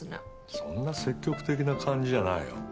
そんな積極的な感じじゃないよ。